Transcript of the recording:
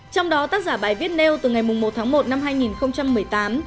trong đó tác giả bài viết nêu từ ngày một tháng một năm hai nghìn một mươi tám